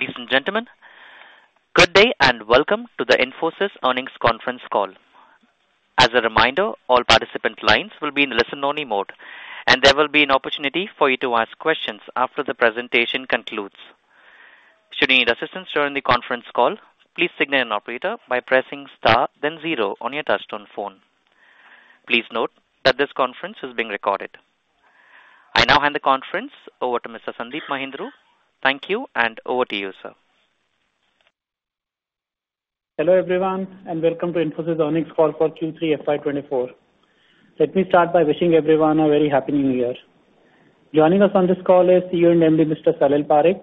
Ladies and gentlemen, good day, and welcome to the Infosys Earnings Conference Call. As a reminder, all participant lines will be in listen-only mode, and there will be an opportunity for you to ask questions after the presentation concludes. Should you need assistance during the conference call, please signal an operator by pressing star then zero on your touchtone phone. Please note that this conference is being recorded. I now hand the conference over to Mr. Sandeep Mahindroo. Thank you, and over to you, sir. Hello, everyone, and welcome to Infosys Earnings Call for Q3 FY 2024. Let me start by wishing everyone a very happy new year. Joining us on this call is CEO and MD, Mr. Salil Parekh,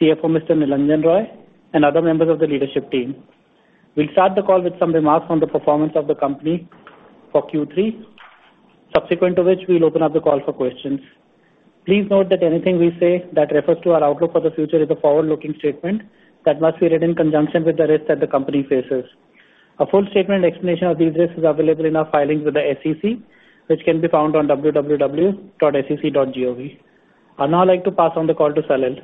CFO, Mr. Nilanjan Roy, and other members of the leadership team. We'll start the call with some remarks on the performance of the company for Q3, subsequent to which we'll open up the call for questions. Please note that anything we say that refers to our outlook for the future is a forward-looking statement that must be read in conjunction with the risks that the company faces. A full statement and explanation of these risks is available in our filings with the SEC, which can be found on www.sec.gov. I'd now like to pass on the call to Salil.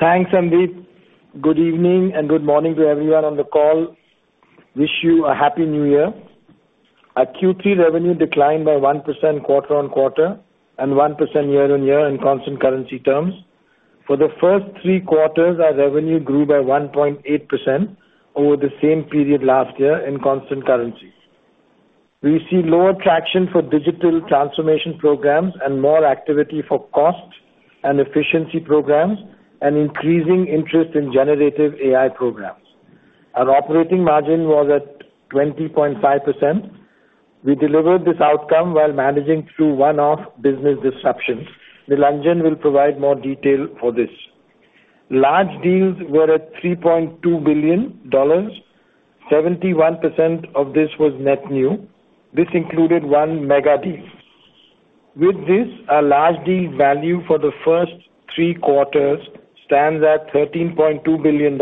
Thanks, Sandeep. Good evening, and good morning to everyone on the call. Wish you a happy new year. Our Q3 revenue declined by 1% quarter-on-quarter and 1% year-on-year in constant currency terms. For the first three quarters, our revenue grew by 1.8% over the same period last year in constant currency. We see lower traction for digital transformation programs and more activity for cost and efficiency programs and increasing interest in generative AI programs. Our operating margin was at 20.5%. We delivered this outcome while managing through one-off business disruptions. Nilanjan will provide more detail for this. Large deals were at $3.2 billion. 71% of this was net new. This included one mega deal. With this, our large deal value for the first three quarters stands at $13.2 billion,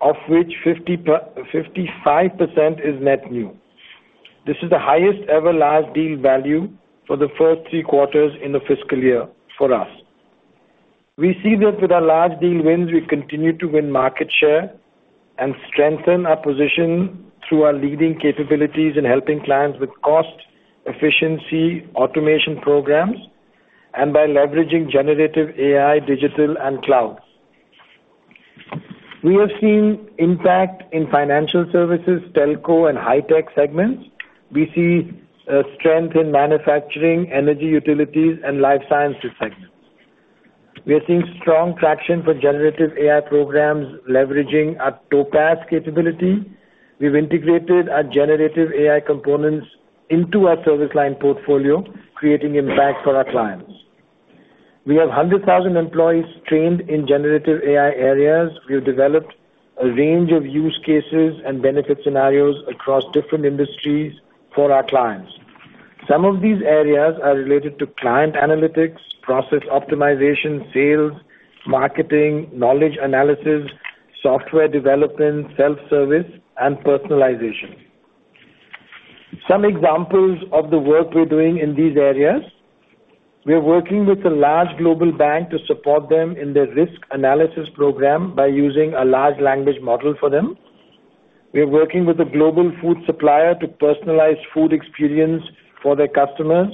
of which 55% is net new. This is the highest ever large deal value for the first three quarters in the fiscal year for us. We see that with our large deal wins, we continue to win market share and strengthen our position through our leading capabilities in helping clients with cost, efficiency, automation programs, and by leveraging generative AI, digital, and cloud. We have seen impact in financial services, telco, and high-tech segments. We see strength in manufacturing, energy, utilities, and life sciences segments. We are seeing strong traction for generative AI programs, leveraging our Topaz capability. We've integrated our generative AI components into our service line portfolio, creating impact for our clients. We have 100,000 employees trained in generative AI areas. We have developed a range of use cases and benefit scenarios across different industries for our clients. Some of these areas are related to client analytics, process optimization, sales, marketing, knowledge analysis, software development, self-service, and personalization. Some examples of the work we're doing in these areas. We are working with a large global bank to support them in their risk analysis program by using a large language model for them. We are working with a global food supplier to personalize food experience for their customers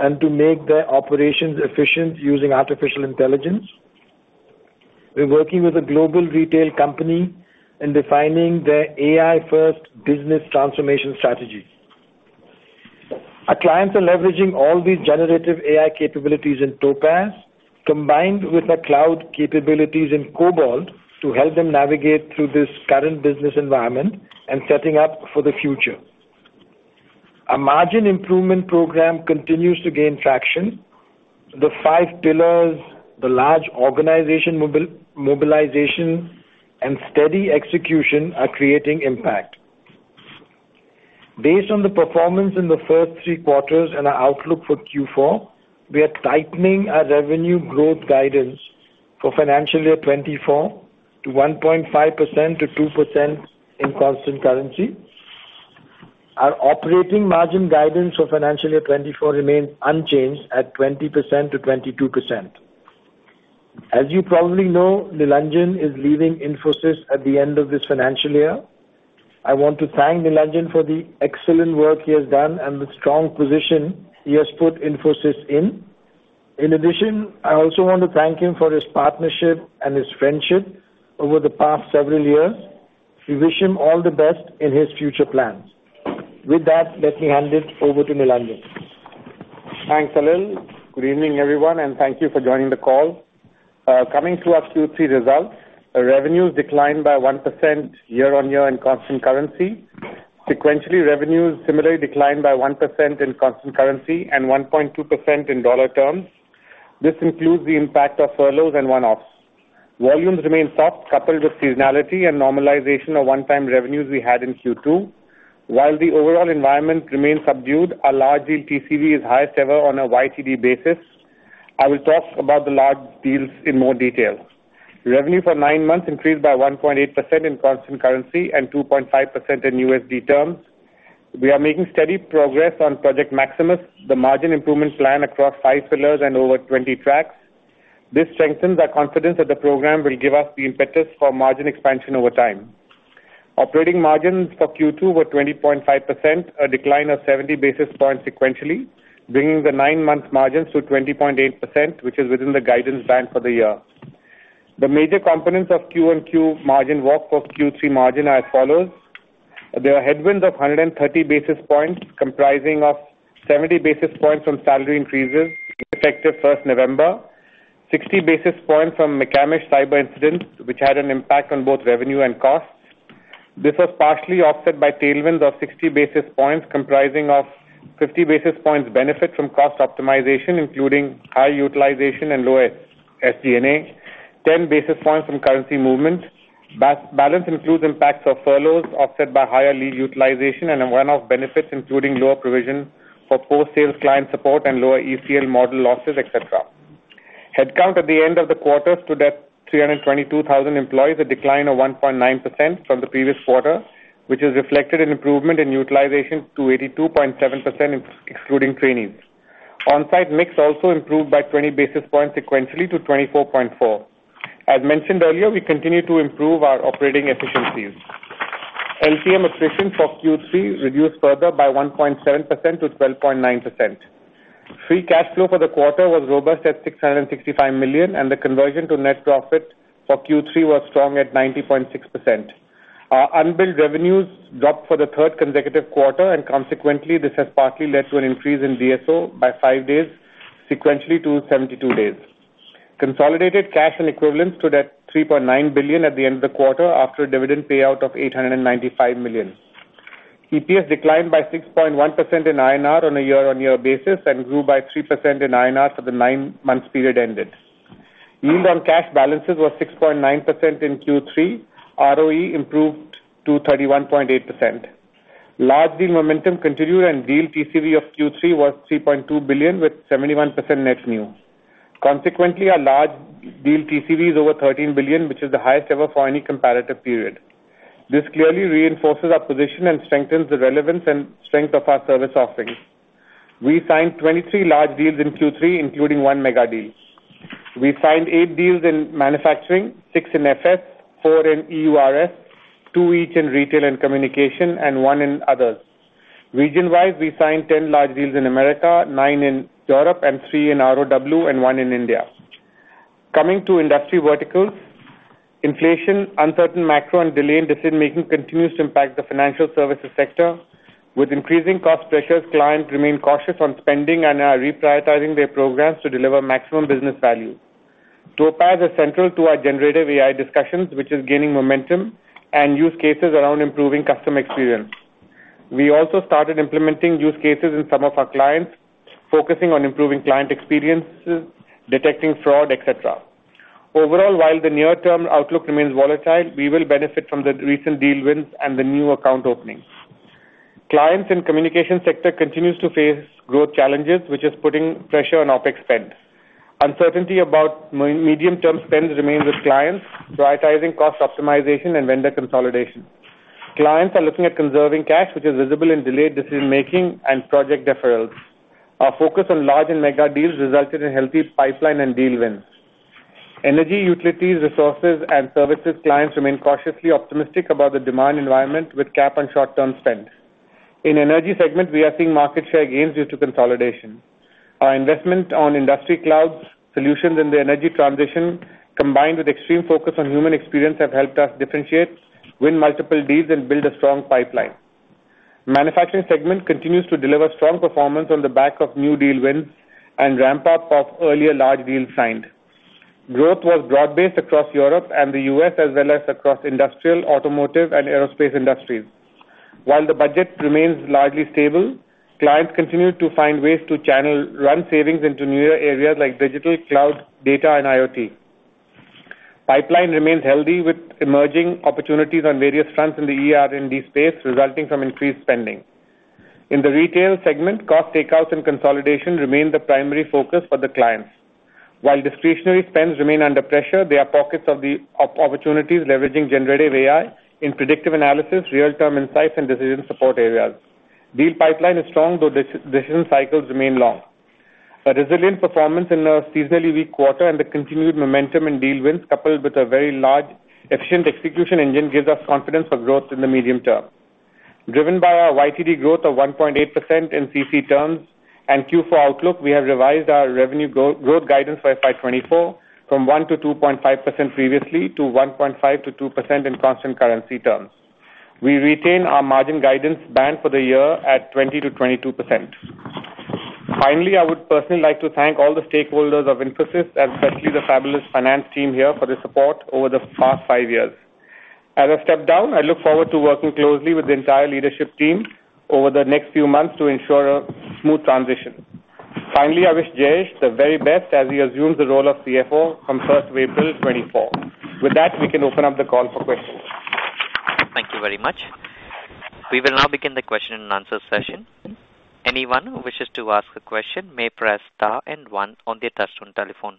and to make their operations efficient using artificial intelligence. We're working with a global retail company in defining their AI-first business transformation strategy. Our clients are leveraging all these generative AI capabilities in Topaz, combined with our cloud capabilities in Cobalt, to help them navigate through this current business environment and setting up for the future. Our margin improvement program continues to gain traction. The five pillars, the large organization mobilization, and steady execution are creating impact. Based on the performance in the first three quarters and our outlook for Q4, we are tightening our revenue growth guidance for financial year 2024 to 1.5%-2% in constant currency. Our operating margin guidance for financial year 2024 remains unchanged at 20%-22%. As you probably know, Nilanjan is leaving Infosys at the end of this financial year. I want to thank Nilanjan for the excellent work he has done and the strong position he has put Infosys in. In addition, I also want to thank him for his partnership and his friendship over the past several years. We wish him all the best in his future plans. With that, let me hand it over to Nilanjan. Thanks, Salil. Good evening, everyone, and thank you for joining the call. Coming to our Q3 results, our revenues declined by 1% year-over-year in constant currency. Sequentially, revenues similarly declined by 1% in constant currency and 1.2% in dollar terms. This includes the impact of furloughs and one-offs. Volumes remain soft, coupled with seasonality and normalization of one-time revenues we had in Q2. While the overall environment remains subdued, our large deal TCV is highest ever on a YTD basis. I will talk about the large deals in more detail. Revenue for nine months increased by 1.8% in constant currency and 2.5% in USD terms. We are making steady progress on Project Maximus, the margin improvement plan across 5 pillars and over 20 tracks. This strengthens our confidence that the program will give us the impetus for margin expansion over time. Operating margins for Q2 were 20.5%, a decline of 70 basis points sequentially, bringing the 9-month margins to 20.8%, which is within the guidance band for the year. The major components of Q1Q margin walk for Q3 margin are as follows: There are headwinds of 130 basis points, comprising of 70 basis points from salary increases effective first November, 60 basis points from McCamish cyber incident, which had an impact on both revenue and costs. This was partially offset by tailwinds of 60 basis points, comprising of 50 basis points benefit from cost optimization, including high utilization and lower SG&A, 10 basis points from currency movement. Balance includes impacts of furloughs, offset by higher lead utilization and a one-off benefits, including lower provision for post-sales client support and lower ECL model losses, et cetera. Headcount at the end of the quarter stood at 322,000 employees, a decline of 1.9% from the previous quarter, which is reflected in improvement in utilization to 82.7%, excluding trainees. On-site mix also improved by 20 basis points sequentially to 24.4. As mentioned earlier, we continue to improve our operating efficiencies. LTM attrition for Q3 reduced further by 1.7% to 12.9%. Free cash flow for the quarter was robust at $665 million, and the conversion to net profit for Q3 was strong at 90.6%. Our unbilled revenues dropped for the third consecutive quarter, and consequently, this has partly led to an increase in DSO by 5 days sequentially to 72 days. Consolidated cash and equivalents stood at $3.9 billion at the end of the quarter, after a dividend payout of $895 million. EPS declined by 6.1% in INR on a year-on-year basis and grew by 3% in INR for the 9-month period ended. Yield on cash balances was 6.9% in Q3. ROE improved to 31.8%. Large deal momentum continued, and deal TCV of Q3 was $3.2 billion, with 71% net new. Consequently, our large deal TCV is over $13 billion, which is the highest ever for any comparative period. This clearly reinforces our position and strengthens the relevance and strength of our service offerings. We signed 23 large deals in Q3, including one mega deal. We signed eight deals in manufacturing, six in FS, four in EURS, two each in retail and communication, and one in others. Region-wise, we signed 10 large deals in America, nine in Europe, and three in ROW, and one in India. Coming to industry verticals, inflation, uncertain macro, and delayed decision-making continues to impact the financial services sector. With increasing cost pressures, clients remain cautious on spending and are reprioritizing their programs to deliver maximum business value. Topaz is central to our generative AI discussions, which is gaining momentum and use cases around improving customer experience. We also started implementing use cases in some of our clients, focusing on improving client experiences, detecting fraud, et cetera. Overall, while the near-term outlook remains volatile, we will benefit from the recent deal wins and the new account openings. Clients in communications sector continues to face growth challenges, which is putting pressure on OpEx spend. Uncertainty about medium-term spends remains with clients, prioritizing cost optimization and vendor consolidation. Clients are looking at conserving cash, which is visible in delayed decision-making and project deferrals. Our focus on large and mega deals resulted in healthy pipeline and deal wins. Energy, utilities, resources, and services clients remain cautiously optimistic about the demand environment with capex and short-term spend. In energy segment, we are seeing market share gains due to consolidation. Our investment on industry cloud solutions in the energy transition, combined with extreme focus on human experience, have helped us differentiate, win multiple deals, and build a strong pipeline. Manufacturing segment continues to deliver strong performance on the back of new deal wins and ramp-up of earlier large deals signed. Growth was broad-based across Europe and the US, as well as across industrial, automotive, and aerospace industries. While the budget remains largely stable, clients continue to find ways to channel run savings into newer areas like digital, cloud, data, and IoT. Pipeline remains healthy, with emerging opportunities on various fronts in the ER&D space, resulting from increased spending. In the retail segment, cost takeouts and consolidation remain the primary focus for the clients. While discretionary spends remain under pressure, there are pockets of opportunities leveraging generative AI in predictive analysis, real-time insights, and decision support areas. Deal pipeline is strong, though decision cycles remain long. A resilient performance in a seasonally weak quarter and the continued momentum in deal wins, coupled with a very large efficient execution engine, gives us confidence for growth in the medium term. Driven by our YTD growth of 1.8% in CC terms and Q4 outlook, we have revised our revenue growth guidance for FY 2024 from 1%-2.5% previously, to 1.5%-2% in constant currency terms. We retain our margin guidance band for the year at 20%-22%. Finally, I would personally like to thank all the stakeholders of Infosys, especially the fabulous finance team here, for their support over the past five years. As I step down, I look forward to working closely with the entire leadership team over the next few months to ensure a smooth transition. Finally, I wish Jayesh the very best as he assumes the role of CFO from April 1, 2024. With that, we can open up the call for questions. Thank you very much. We will now begin the question and answer session. Anyone who wishes to ask a question may press star and one on their touchtone telephone.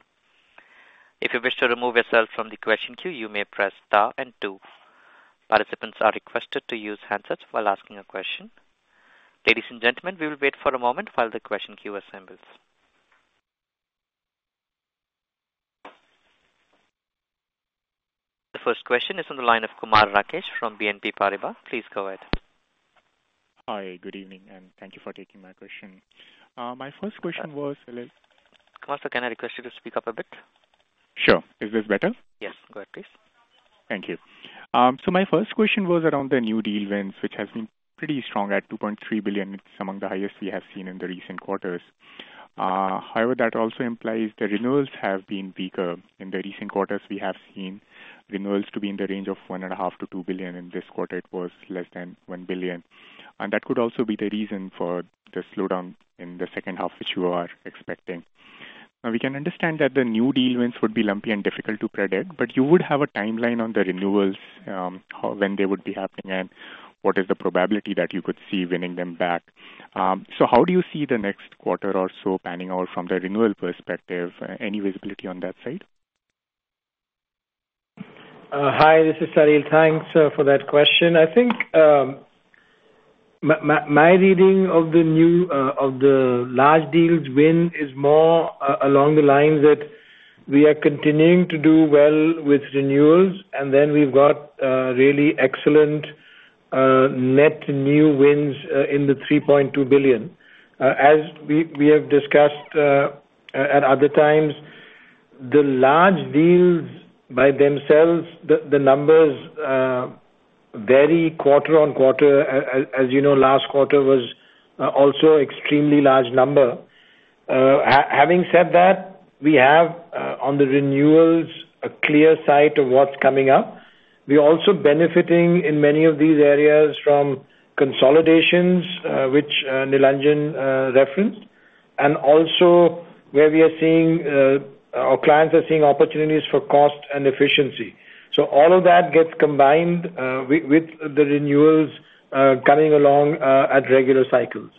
If you wish to remove yourself from the question queue, you may press star and two. Participants are requested to use handsets while asking a question. Ladies and gentlemen, we will wait for a moment while the question queue assembles. The first question is on the line of Kumar Rakesh from BNP Paribas. Please go ahead. Hi, good evening, and thank you for taking my question. My first question was- Kumar, can I request you to speak up a bit? Sure. Is this better? Yes. Go ahead, please. Thank you. So my first question was around the new deal wins, which has been pretty strong at $2.3 billion. It's among the highest we have seen in the recent quarters. However, that also implies the renewals have been weaker. In the recent quarters, we have seen renewals to be in the range of $1.5 billion-$2 billion. In this quarter, it was less than $1 billion, and that could also be the reason for the slowdown in the second half, which you are expecting. Now, we can understand that the new deal wins would be lumpy and difficult to predict, but you would have a timeline on the renewals, when they would be happening and what is the probability that you could see winning them back. So, how do you see the next quarter or so panning out from the renewal perspective? Any visibility on that side? Hi, this is Salil. Thanks for that question. I think, my reading of the new large deals win is more along the lines that we are continuing to do well with renewals, and then we've got really excellent net new wins in the $3.2 billion. As we have discussed at other times, the large deals by themselves, the numbers vary quarter-on-quarter. As you know, last quarter was also extremely large number. Having said that, we have on the renewals, a clear sight of what's coming up. We're also benefiting in many of these areas from consolidations, which Nilanjan referenced, and also where we are seeing our clients are seeing opportunities for cost and efficiency. All of that gets combined with the renewals coming along at regular cycles.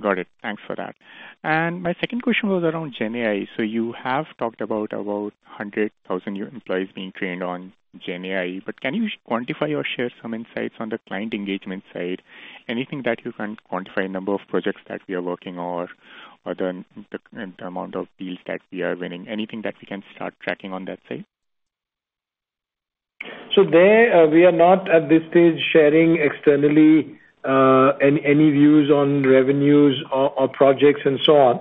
Got it. Thanks for that. And my second question was around GenAI. So you have talked about almost 100,000 new employees being trained on GenAI, but can you quantify or share some insights on the client engagement side? Anything that you can quantify, number of projects that we are working on or the amount of deals that we are winning, anything that we can start tracking on that side? So there, we are not, at this stage, sharing externally, any views on revenues or projects and so on.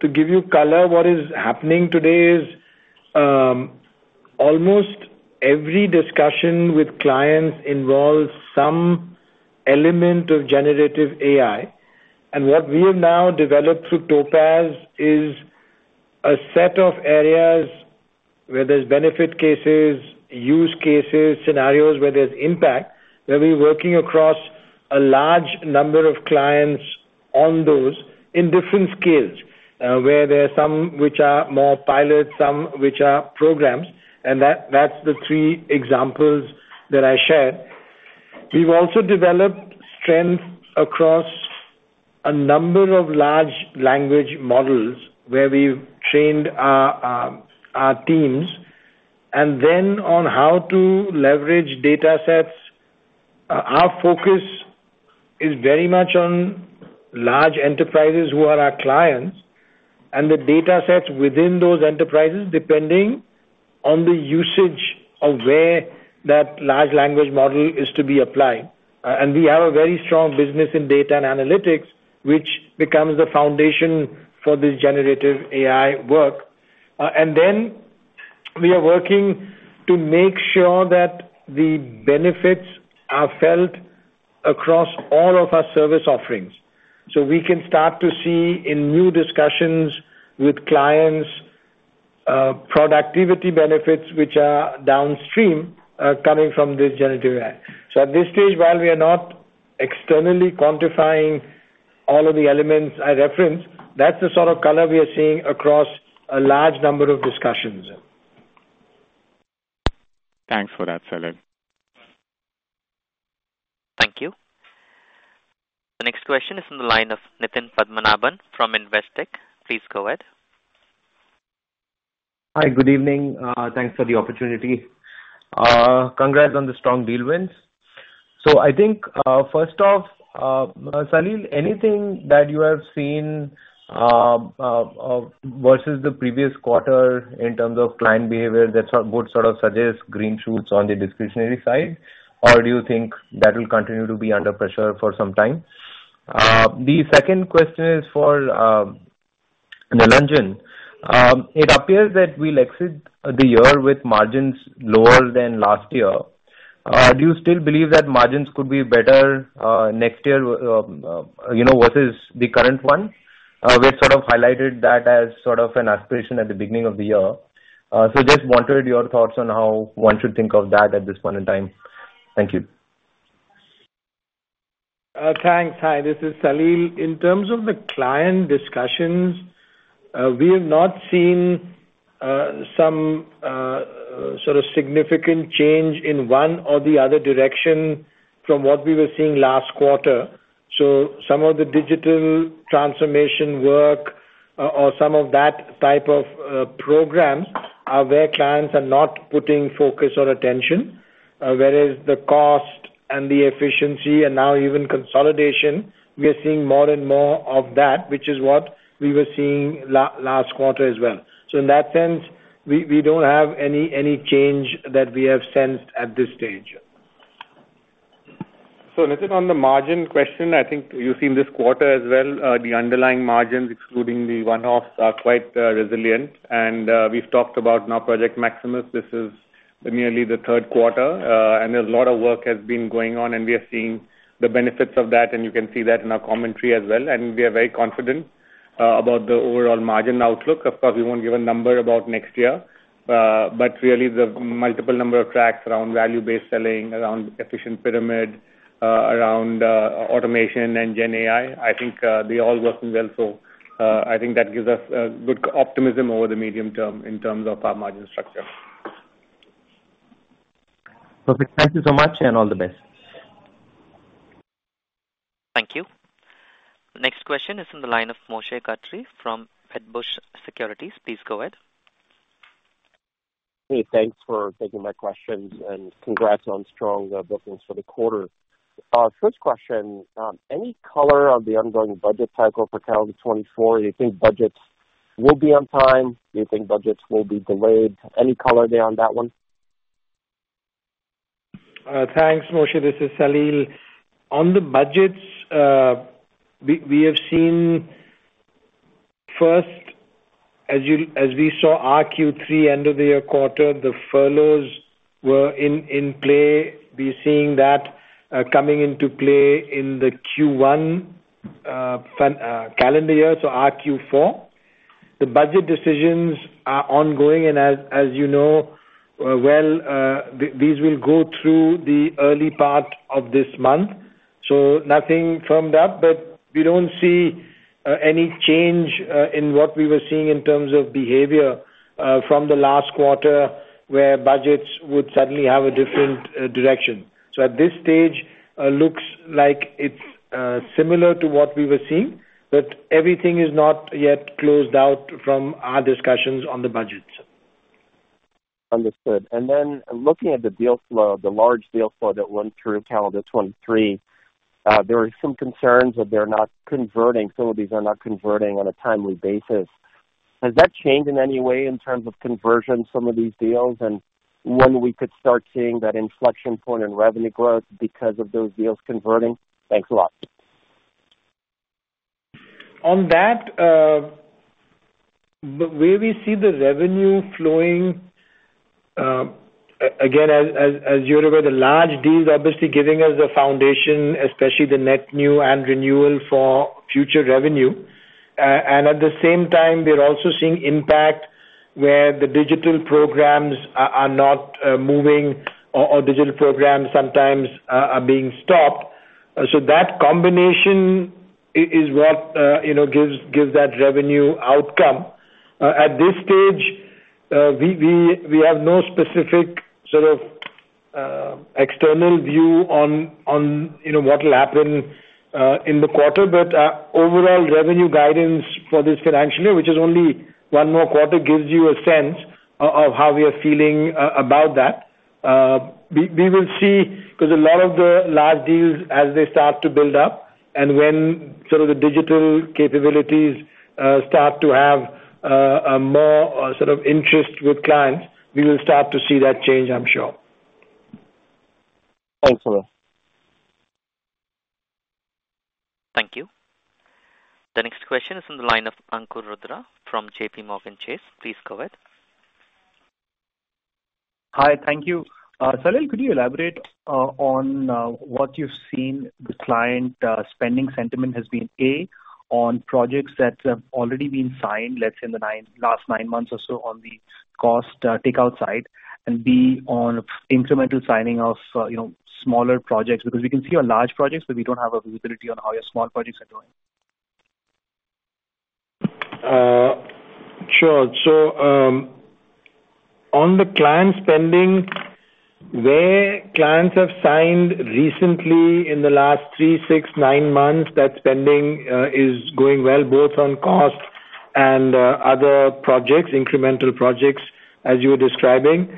To give you color, what is happening today is, almost every discussion with clients involves some element of generative AI. And what we have now developed through Topaz is a set of areas where there's benefit cases, use cases, scenarios where there's impact, where we're working across a large number of clients on those in different scales, where there are some which are more pilot, some which are programs, and that's the three examples that I shared. We've also developed strength across a number of large language models where we've trained our teams, and then on how to leverage data sets. Our focus is very much on large enterprises who are our clients and the data sets within those enterprises, depending on the usage of where that large language model is to be applied. We have a very strong business in data and analytics, which becomes the foundation for this generative AI work. Then we are working to make sure that the benefits are felt across all of our service offerings, so we can start to see in new discussions with clients, productivity benefits which are downstream, coming from this generative AI. At this stage, while we are not externally quantifying all of the elements I referenced, that's the sort of color we are seeing across a large number of discussions. Thanks for that, Salil. Thank you. The next question is from the line of Nitin Padmanabhan from Investec. Please go ahead. Hi, good evening. Thanks for the opportunity. Congrats on the strong deal wins. So I think, first off, Salil, anything that you have seen versus the previous quarter in terms of client behavior, that would sort of suggest green shoots on the discretionary side? Or do you think that will continue to be under pressure for some time? The second question is for Nilanjan. It appears that we'll exit the year with margins lower than last year. Do you still believe that margins could be better next year, you know, versus the current one? We sort of highlighted that as sort of an aspiration at the beginning of the year. So just wanted your thoughts on how one should think of that at this point in time. Thank you. Thanks. Hi, this is Salil. In terms of the client discussions, we have not seen some sort of significant change in one or the other direction from what we were seeing last quarter. So some of the digital transformation work or some of that type of programs are where clients are not putting focus or attention. Whereas the cost and the efficiency and now even consolidation, we are seeing more and more of that, which is what we were seeing last quarter as well. So in that sense, we don't have any change that we have sensed at this stage. So Nitin, on the margin question, I think you've seen this quarter as well, the underlying margins, excluding the one-offs, are quite resilient. And we've talked about in our Project Maximus, this is nearly the third quarter, and a lot of work has been going on, and we are seeing the benefits of that, and you can see that in our commentary as well. And we are very confident about the overall margin outlook. Of course, we won't give a number about next year, but really the multiple number of tracks around value-based selling, around efficient pyramid, around automation and GenAI, I think they all working well. So I think that gives us good optimism over the medium term in terms of our margin structure. Perfect. Thank you so much, and all the best. Thank you. Next question is on the line of Moshe Katri from Wedbush Securities. Please go ahead. Hey, thanks for taking my questions, and congrats on strong bookings for the quarter. First question, any color on the ongoing budget cycle for calendar 2024? Do you think budgets will be on time? Do you think budgets will be delayed? Any color there on that one? Thanks, Moshe. This is Salil. On the budgets, we have seen first, as we saw our Q3 end of the year quarter, the furloughs were in play. We're seeing that coming into play in the Q1 of the calendar year, so our Q4. The budget decisions are ongoing, and as you know, well, these will go through the early part of this month. So nothing from that, but we don't see any change in what we were seeing in terms of behavior from the last quarter, where budgets would suddenly have a different direction. So at this stage, looks like it's similar to what we were seeing, but everything is not yet closed out from our discussions on the budgets. Understood. And then looking at the deal flow, the large deal flow that run through calendar 2023, there are some concerns that they're not converting, some of these are not converting on a timely basis. Has that changed in any way in terms of conversion some of these deals, and when we could start seeing that inflection point in revenue growth because of those deals converting? Thanks a lot. On that, the way we see the revenue flowing, again, as you're aware, the large deals are obviously giving us a foundation, especially the net new and renewal for future revenue. And at the same time, we are also seeing impact where the digital programs are not moving or digital programs sometimes are being stopped. So that combination is what, you know, gives that revenue outcome. At this stage, we have no specific sort of external view on, you know, what will happen in the quarter. But, overall revenue guidance for this financial year, which is only one more quarter, gives you a sense of how we are feeling about that. We will see, because a lot of the large deals, as they start to build up and when sort of the digital capabilities start to have a more sort of interest with clients, we will start to see that change, I'm sure. Thanks a lot. Thank you. The next question is on the line of Ankur Rudra from JPMorgan Chase. Please go ahead. Hi, thank you. Salil, could you elaborate on what you've seen the client spending sentiment has been, A, on projects that have already been signed, let's say, in the last nine months or so on the cost take out side, and B, on incremental signing of, you know, smaller projects? Because we can see on large projects, but we don't have a visibility on how your small projects are doing. Sure. So, on the client spending, where clients have signed recently in the last 3, 6, 9 months, that spending is going well, both on cost and other projects, incremental projects, as you were describing.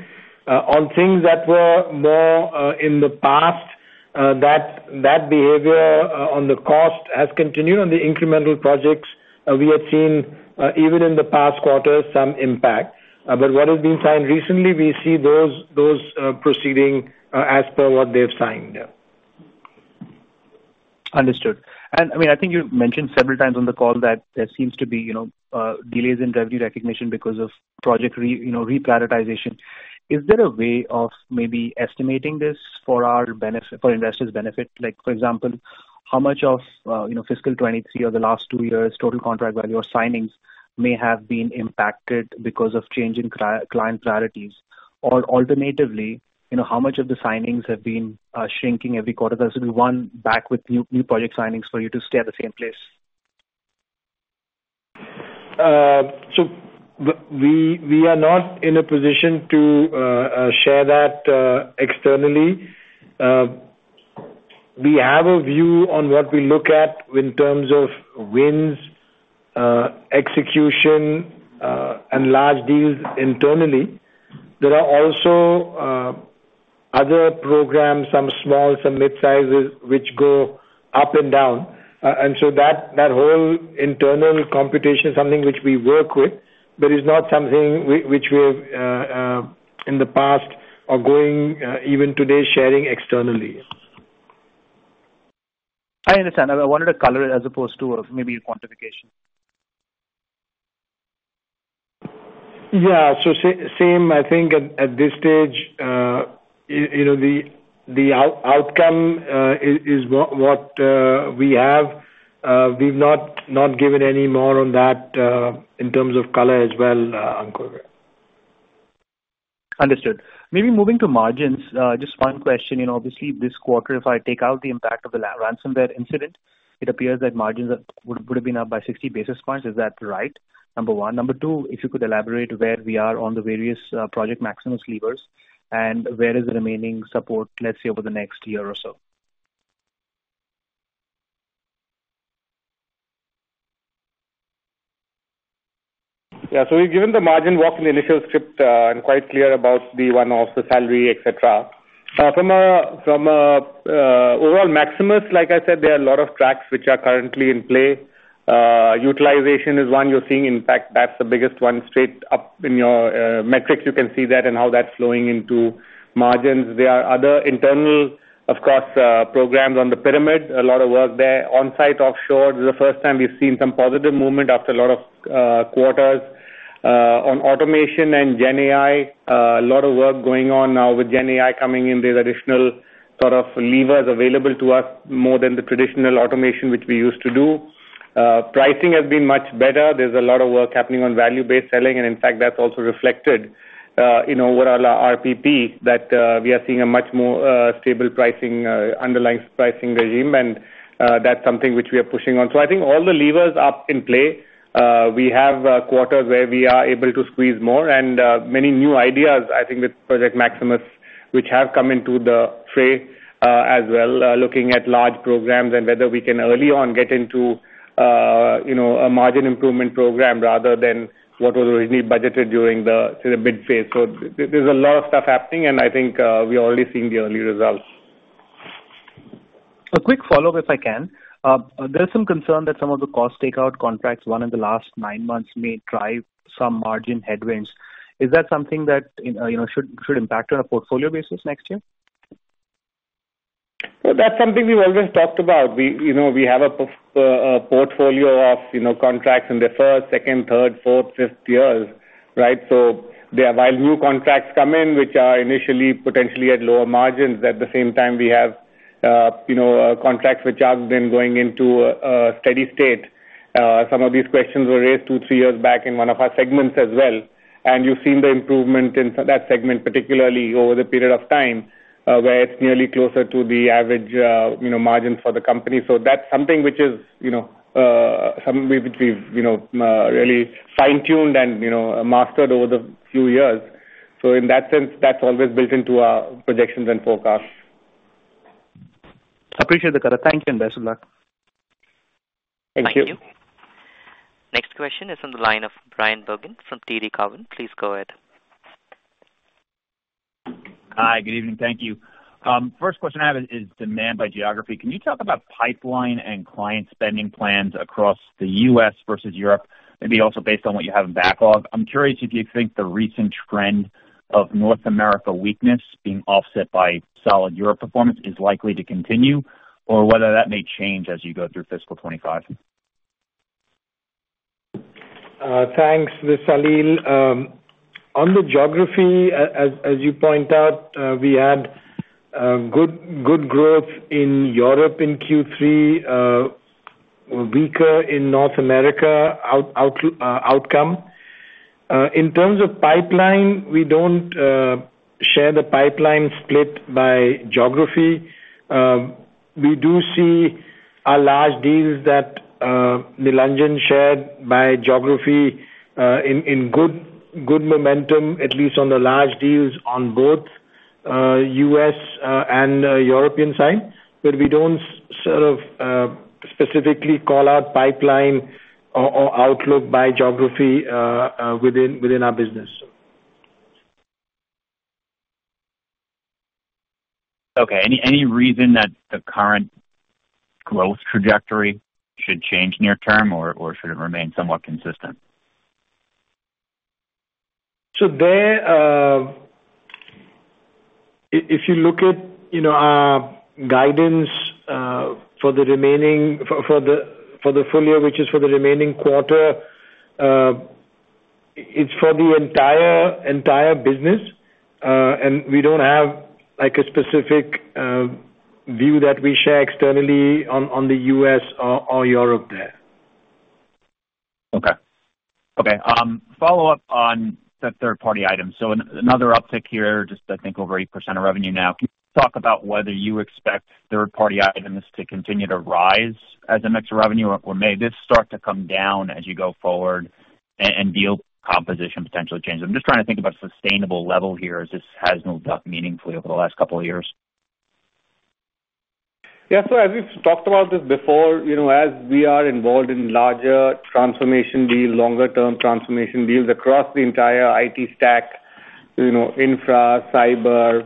On things that were more in the past, that behavior on the cost has continued. On the incremental projects, we have seen even in the past quarter, some impact. But what has been signed recently, we see those proceeding as per what they've signed. Understood. And I mean, I think you've mentioned several times on the call that there seems to be, you know, delays in revenue recognition because of project you know, reprioritization. Is there a way of maybe estimating this for our benefit, for investors' benefit? Like, for example, how much of, you know, fiscal 2023 or the last two years, total contract value or signings may have been impacted because of change in client priorities? Or alternatively, you know, how much of the signings have been shrinking every quarter? There's been one back with new project signings for you to stay at the same place. So we are not in a position to share that externally. We have a view on what we look at in terms of wins, execution, and large deals internally. There are also other programs, some small, some mid-sizes, which go up and down. And so that whole internal computation is something which we work with, but is not something which we have in the past or going even today, sharing externally. I understand. I wanted to color it as opposed to maybe a quantification. Yeah. So same, I think at this stage, you know, the outcome is what we have. We've not given any more on that in terms of color as well, Ankur. Understood. Maybe moving to margins, just one question. You know, obviously, this quarter, if I take out the impact of the ransomware incident, it appears that margins are, would have been up by 60 basis points. Is that right? Number 1. Number 2, if you could elaborate where we are on the various Project Maximus levers, and where is the remaining support, let's say, over the next year or so? Yeah. So we've given the margin walk in the initial script, and quite clear about the one-off, the salary, et cetera. From an overall Maximus, like I said, there are a lot of tracks which are currently in play. Utilization is one you're seeing. In fact, that's the biggest one. Straight up in your metrics, you can see that and how that's flowing into margins. There are other internal, of course, programs on the pyramid. A lot of work there. On-site, offshore, this is the first time we've seen some positive movement after a lot of quarters. On automation and GenAI, a lot of work going on now with GenAI coming in. There's additional sort of levers available to us, more than the traditional automation which we used to do. Pricing has been much better. There's a lot of work happening on value-based selling, and in fact, that's also reflected in overall RPP, that we are seeing a much more stable pricing underlying pricing regime, and that's something which we are pushing on. So I think all the levers are in play. We have quarters where we are able to squeeze more and many new ideas, I think, with Project Maximus, which have come into the fray as well looking at large programs and whether we can early on get into, you know, a margin improvement program rather than what was originally budgeted during the, say, the bid phase. So there's a lot of stuff happening, and I think we are already seeing the early results. A quick follow-up, if I can. There's some concern that some of the cost takeout contracts won in the last nine months may drive some margin headwinds. Is that something that, you know, should impact on a portfolio basis next year? Well, that's something we've always talked about. We, you know, we have a portfolio of, you know, contracts in the first, second, third, fourth, fifth years, right? So there, while new contracts come in, which are initially potentially at lower margins, at the same time we have, you know, contracts which have been going into a steady state. Some of these questions were raised two, three years back in one of our segments as well, and you've seen the improvement in that segment, particularly over the period of time, where it's nearly closer to the average, you know, margin for the company. So that's something which is, you know, something which we've, you know, really fine-tuned and, you know, mastered over the few years. So in that sense, that's always built into our projections and forecasts. Appreciate the color. Thank you, and best of luck. Thank you. Thank you. Next question is on the line of Bryan Bergin from TD Cowen. Please go ahead. Hi, good evening. Thank you. First question I have is demand by geography. Can you talk about pipeline and client spending plans across the US versus Europe? Maybe also based on what you have in backlog. I'm curious if you think the recent trend of North America weakness being offset by solid Europe performance is likely to continue, or whether that may change as you go through fiscal 25? Thanks, this is Salil. On the geography, as you point out, we had good, good growth in Europe in Q3, weaker in North America outcome. In terms of pipeline, we don't share the pipeline split by geography. We do see our large deals that Nilanjan shared by geography in good, good momentum, at least on the large deals on both US and European side. But we don't sort of specifically call out pipeline or outlook by geography within our business. Okay. Any reason that the current growth trajectory should change near term, or should it remain somewhat consistent? So there, if you look at, you know, our guidance for the remaining... For the full year, which is for the remaining quarter, it's for the entire, entire business, and we don't have, like, a specific view that we share externally on the U.S. or Europe there. Okay. Okay, follow-up on the third-party items. So another uptick here, just I think over 8% of revenue now. Can you talk about whether you expect third-party items to continue to rise as a mix of revenue, or may this start to come down as you go forward? And deal composition potentially change? I'm just trying to think about sustainable level here as this has moved up meaningfully over the last couple of years. Yeah, so as we've talked about this before, you know, as we are involved in larger transformation deals, longer term transformation deals across the entire IT stack, you know, infra, cyber,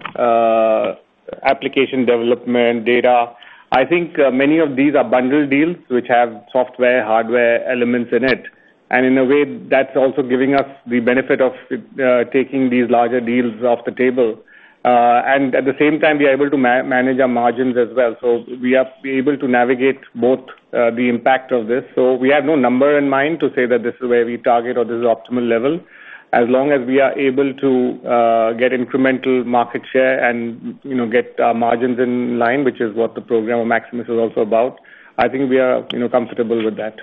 application development, data, I think many of these are bundled deals which have software, hardware elements in it. And in a way, that's also giving us the benefit of taking these larger deals off the table. And at the same time, we are able to manage our margins as well. So we have to be able to navigate both the impact of this. So we have no number in mind to say that this is where we target or this is optimal level. As long as we are able to get incremental market share and, you know, get our margins in line, which is what Project Maximus is also about, I think we are, you know, comfortable with that.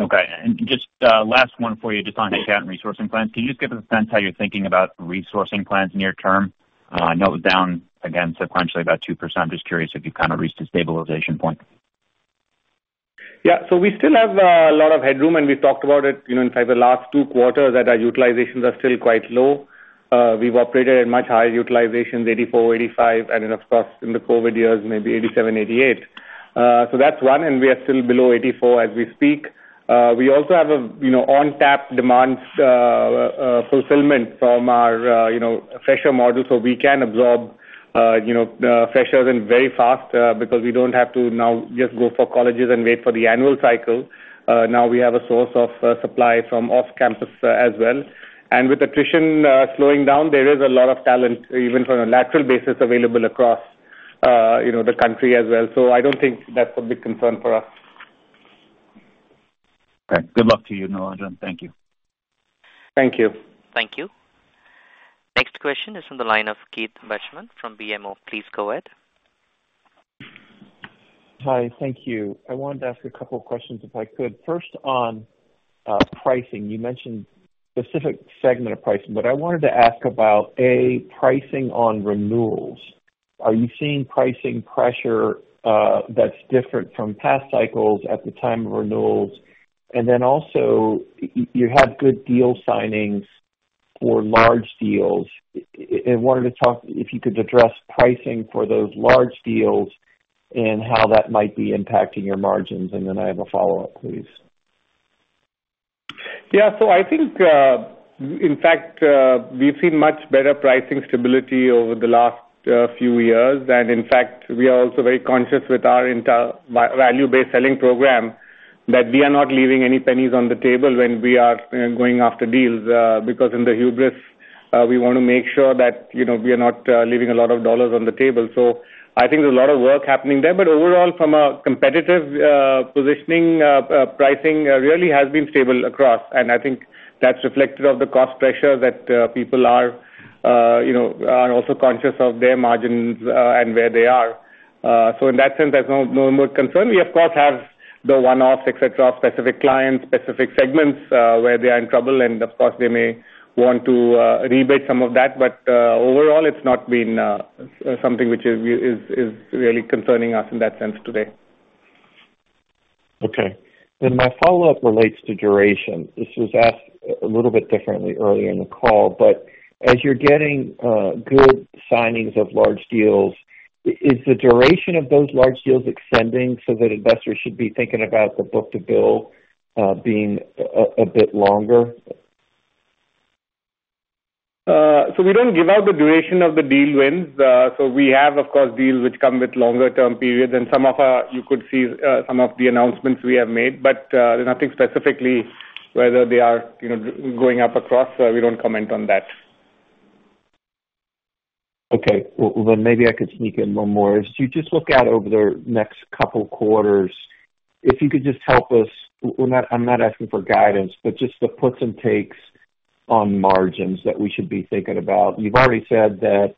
Okay. And just, last one for you, just on the talent resourcing plans. Can you just give us a sense how you're thinking about resourcing plans near term? I know it was down again sequentially about 2%. I'm just curious if you've kind of reached a stabilization point. Yeah. So we still have a lot of headroom, and we've talked about it, you know, in fact, the last two quarters that our utilizations are still quite low. We've operated at much higher utilizations, 84%, 85%, and then of course, in the COVID years, maybe 87%, 88%. So that's one, and we are still below 84% as we speak. We also have a, you know, on-tap demands, fulfillment from our, you know, fresher model. So we can absorb, you know, freshers in very fast, because we don't have to now just go for colleges and wait for the annual cycle. Now we have a source of supply from off-campus as well. And with attrition slowing down, there is a lot of talent, even from a lateral basis, available across, you know, the country as well. I don't think that's a big concern for us. Okay. Good luck to you, Nilanjan. Thank you. Thank you. Thank you. Next question is from the line of Keith Bachman from BMO. Please go ahead. Hi, thank you. I wanted to ask a couple of questions, if I could. First, on pricing. You mentioned specific segment of pricing, but I wanted to ask about A, pricing on renewals. Are you seeing pricing pressure that's different from past cycles at the time of renewals? And then also, you had good deal signings for large deals. I wanted to, if you could address pricing for those large deals and how that might be impacting your margins. And then I have a follow-up, please. Yeah. So I think, in fact, we've seen much better pricing stability over the last few years. And in fact, we are also very conscious with our internal value-based selling program, that we are not leaving any pennies on the table when we are going after deals, because in this business, we want to make sure that, you know, we are not leaving a lot of dollars on the table. So I think there's a lot of work happening there. But overall, from a competitive positioning, pricing really has been stable across, and I think that's reflective of the cost pressure that people are, you know, are also conscious of their margins, and where they are. So in that sense, there's no more concern. We, of course, have the one-off, et cetera, specific clients, specific segments, where they are in trouble, and of course, they may want to rebate some of that. But, overall, it's not been something which is really concerning us in that sense today. Okay. Then my follow-up relates to duration. This was asked a little bit differently earlier in the call, but as you're getting good signings of large deals, is the duration of those large deals extending so that investors should be thinking about the book to bill being a bit longer? So we don't give out the duration of the deal wins. So we have, of course, deals which come with longer term periods, and some of our, you could see some of the announcements we have made, but nothing specifically whether they are, you know, going up across, we don't comment on that. Okay. Well, then maybe I could sneak in one more. As you just look out over the next couple quarters, if you could just help us... We're not—I'm not asking for guidance, but just the puts and takes on margins that we should be thinking about. You've already said that,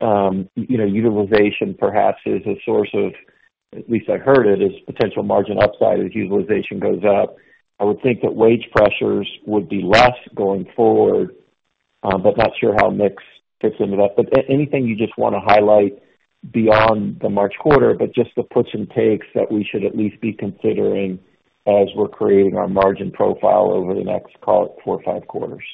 you know, utilization perhaps is a source of, at least I heard it, is potential margin upside as utilization goes up. I would think that wage pressures would be less going forward, but not sure how mix fits into that. But anything you just want to highlight beyond the March quarter, but just the puts and takes that we should at least be considering as we're creating our margin profile over the next, call it, four or five quarters.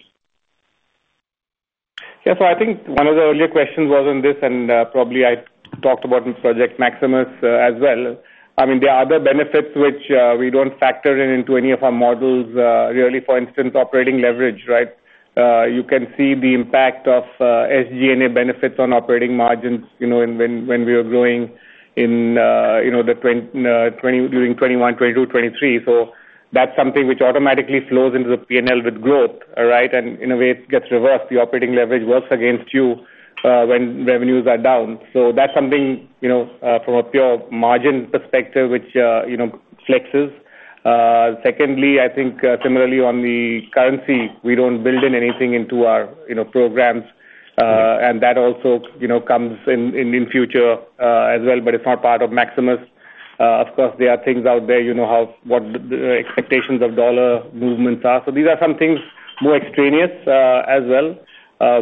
Yeah. So I think one of the earlier questions was on this, and, probably I talked about in Project Maximus, as well. I mean, there are other benefits which, we don't factor in into any of our models, really, for instance, operating leverage, right? You can see the impact of, SG&A benefits on operating margins, you know, when, when we are growing in, you know, the twenty, during 2021, 2022, 2023. So that's something which automatically flows into the P&L with growth, all right? And in a way, it gets reversed. The operating leverage works against you, when revenues are down. So that's something, you know, from a pure margin perspective, which, you know, flexes. Secondly, I think, similarly on the currency, we don't build in anything into our, you know, programs, and that also, you know, comes in future, as well, but it's not part of Maximus. Of course, there are things out there, you know, how what the expectations of dollar movements are. So these are some things more extraneous, as well,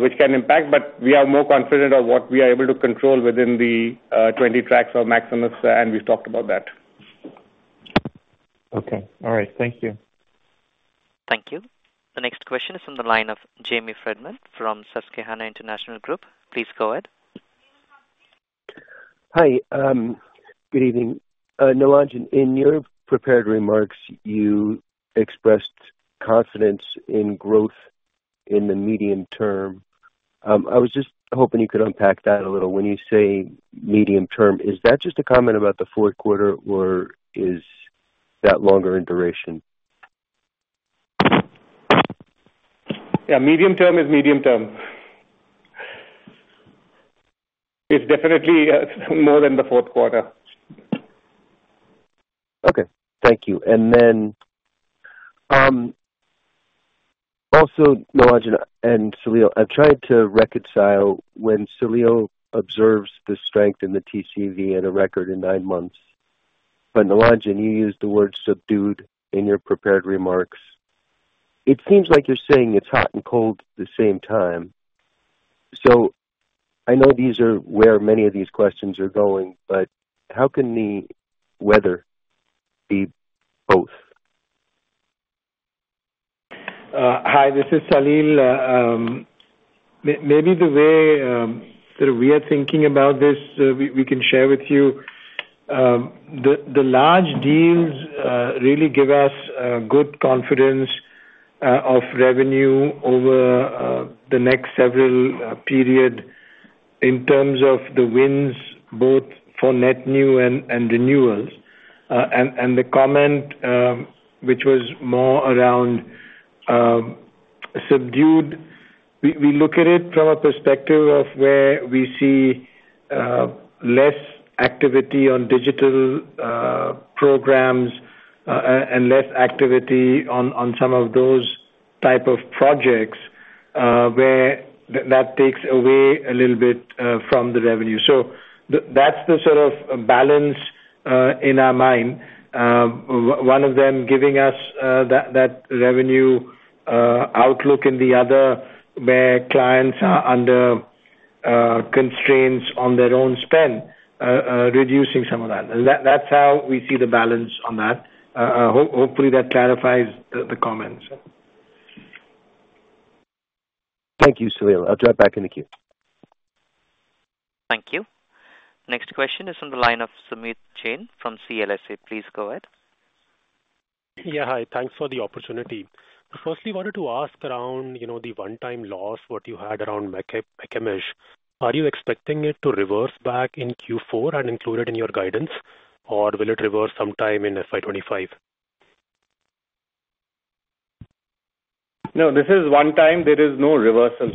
which can impact, but we are more confident of what we are able to control within the 20 tracks of Maximus, and we've talked about that. ... Okay. All right, thank you. Thank you. The next question is on the line of Jamie Friedman from Susquehanna International Group. Please go ahead. Hi, good evening. Nilanjan, in your prepared remarks, you expressed confidence in growth in the medium term. I was just hoping you could unpack that a little. When you say medium term, is that just a comment about the fourth quarter, or is that longer in duration? Yeah, medium term is medium term. It's definitely more than the fourth quarter. Okay. Thank you. And then, also, Nilanjan and Salil, I'm trying to reconcile when Salil observes the strength in the TCV at a record in nine months. But Nilanjan, you used the word subdued in your prepared remarks. It seems like you're saying it's hot and cold at the same time. So I know these are where many of these questions are going, but how can the weather be both? Hi, this is Salil. Maybe the way that we are thinking about this, we can share with you. The large deals really give us good confidence of revenue over the next several period in terms of the wins, both for net new and renewals. And the comment, which was more around subdued. We look at it from a perspective of where we see less activity on digital programs, and less activity on some of those type of projects, where that takes away a little bit from the revenue. So that's the sort of balance in our mind. One of them giving us that revenue outlook, and the other, where clients are under constraints on their own spend, reducing some of that. And that's how we see the balance on that. Hopefully that clarifies the comments. Thank you, Salil. I'll drop back in the queue. Thank you. Next question is on the line of Sumeet Jain from CLSA. Please go ahead. Yeah, hi. Thanks for the opportunity. Firstly, wanted to ask around, you know, the one-time loss, what you had around McCamish. Are you expecting it to reverse back in Q4 and include it in your guidance, or will it reverse sometime in FY 2025? No, this is one time. There is no reversal.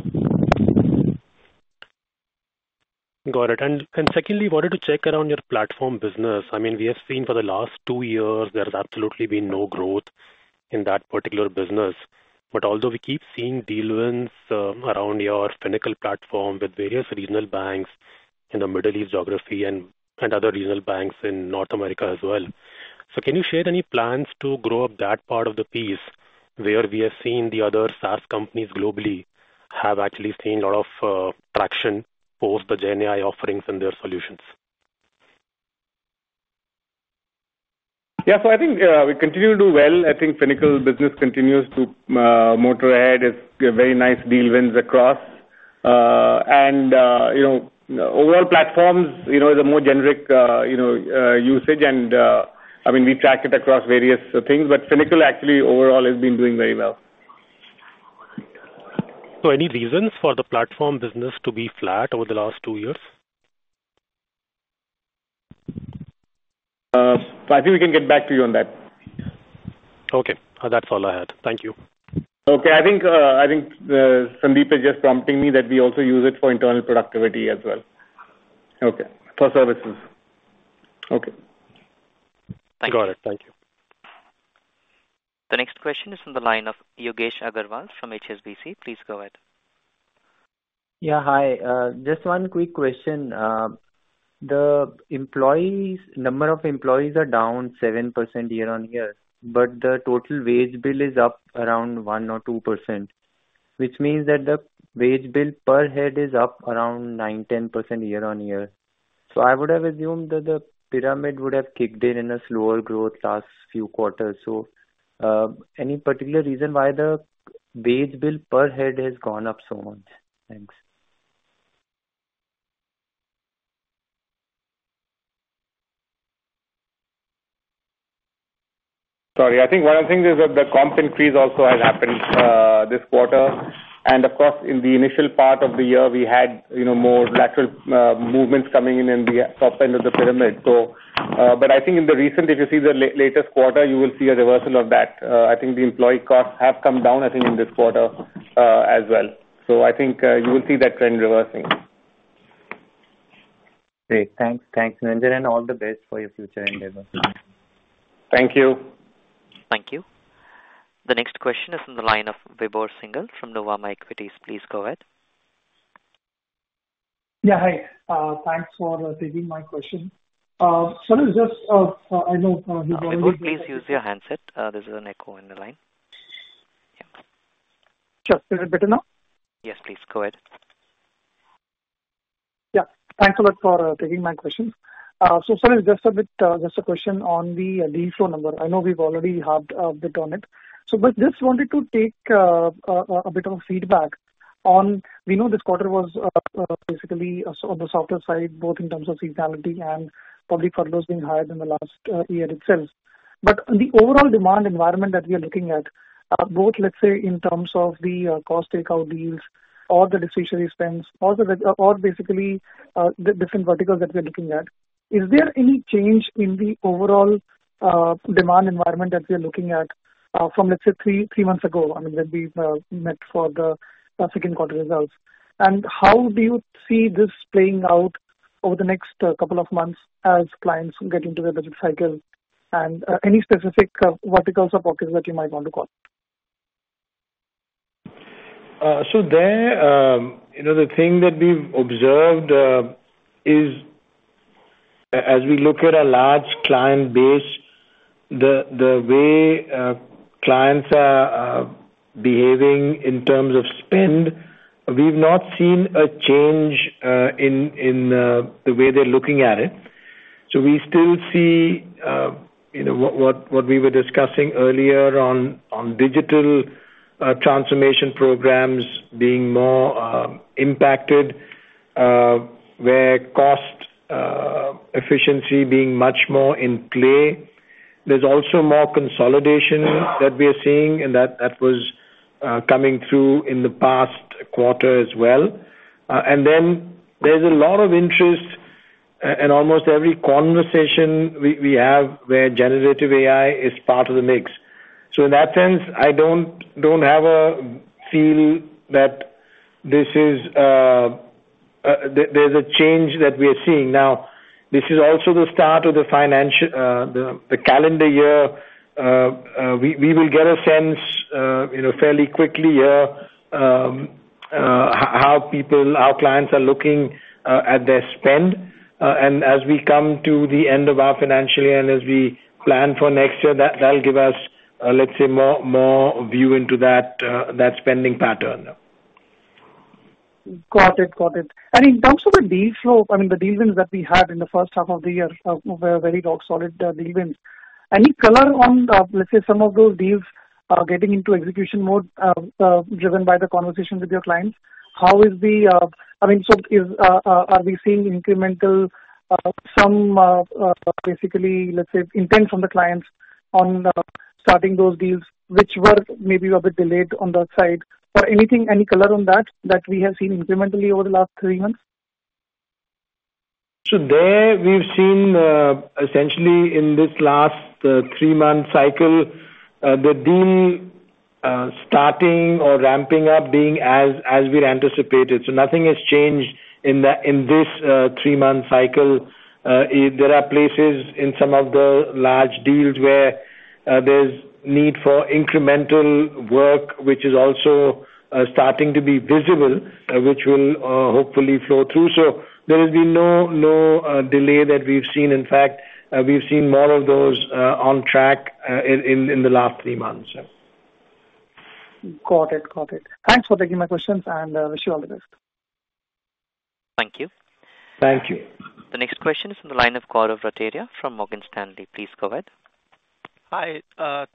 Got it. And secondly, wanted to check around your platform business. I mean, we have seen for the last two years, there has absolutely been no growth in that particular business. But although we keep seeing deal wins around your Finacle platform with various regional banks in the Middle East geography and other regional banks in North America as well. So can you share any plans to grow up that part of the piece, where we have seen the other SaaS companies globally have actually seen a lot of traction post the GenAI offerings and their solutions? Yeah. So I think, we continue to do well. I think Finacle business continues to, motor ahead. It's a very nice deal wins across. And, you know, overall platforms, you know, is a more generic, usage and, I mean, we track it across various things, but Finacle actually overall has been doing very well. Any reasons for the platform business to be flat over the last two years? So, I think we can get back to you on that. Okay. That's all I had. Thank you. Okay. I think, I think, Sandeep is just prompting me that we also use it for internal productivity as well. Okay. For services. Okay. Got it. Thank you. The next question is from the line of Yogesh Aggarwal from HSBC. Please go ahead. Yeah, hi. Just one quick question. The employees, number of employees are down 7% year-on-year, but the total wage bill is up around 1%-2%, which means that the wage bill per head is up around 9%-10% year-on-year. So I would have assumed that the pyramid would have kicked in, in a slower growth last few quarters. So, any particular reason why the wage bill per head has gone up so much? Thanks. Sorry. I think one of the things is that the comp increase also has happened this quarter. And of course, in the initial part of the year, we had, you know, more lateral movements coming in in the top end of the pyramid. So, but I think in the recent, if you see the latest quarter, you will see a reversal of that. I think the employee costs have come down, I think, in this quarter as well. So I think you will see that trend reversing. Great. Thanks. Thanks, Nilanjan, and all the best for your future endeavors. Thank you. Thank you. The next question is from the line of Vibhor Singhal from Nuvama Equities. Please go ahead. Yeah, hi. Thanks for taking my question. So just, I know, Vibhor, please use your handset. There is an echo in the line.... Sure. Is it better now? Yes, please go ahead. Yeah, thanks a lot for taking my questions. So sorry, just a bit, just a question on the deal flow number. I know we've already had a bit on it, so but just wanted to take a bit of feedback on we know this quarter was basically on the softer side, both in terms of seasonality and probably for those being hired in the last year itself. But the overall demand environment that we are looking at, both, let's say, in terms of the cost takeout deals or the discretionary spends or the, or basically the different verticals that we're looking at, is there any change in the overall demand environment that we are looking at from, let's say, three months ago, I mean, when we met for the second quarter results? How do you see this playing out over the next couple of months as clients get into their budget cycle and any specific verticals or pockets that you might want to call? So, you know, the thing that we've observed is as we look at a large client base, the way clients are behaving in terms of spend, we've not seen a change in the way they're looking at it. So we still see, you know, what we were discussing earlier on digital transformation programs being more impacted, where cost efficiency being much more in play. There's also more consolidation that we are seeing, and that was coming through in the past quarter as well. And then there's a lot of interest in almost every conversation we have, where generative AI is part of the mix. So in that sense, I don't have a feeling that this is, there's a change that we are seeing. Now, this is also the start of the financial calendar year. We will get a sense, you know, fairly quickly here, how people, our clients are looking at their spend. And as we come to the end of our financial year and as we plan for next year, that'll give us, let's say, more view into that spending pattern. Got it. Got it. And in terms of the deal flow, I mean, the deal wins that we had in the first half of the year, were very rock solid, deal wins. Any color on, let's say some of those deals are getting into execution mode, driven by the conversation with your clients? How is the, I mean, so is, are we seeing incremental, some, basically, let's say, intent from the clients on, starting those deals, which were maybe a bit delayed on that side, or anything, any color on that, that we have seen incrementally over the last three months? So there, we've seen, essentially in this last three-month cycle, the deal starting or ramping up being as, as we'd anticipated. So nothing has changed in the, in this three-month cycle. There are places in some of the large deals where, there's need for incremental work, which is also starting to be visible, which will hopefully flow through. So there has been no, no delay that we've seen. In fact, we've seen more of those on track in, in, in the last three months. Got it. Got it. Thanks for taking my questions, and wish you all the best. Thank you. Thank you. The next question is from the line of Gaurav Rateria from Morgan Stanley. Please go ahead. Hi,